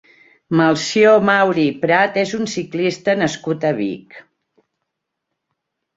Melcior Mauri i Prat és un ciclista nascut a Vic.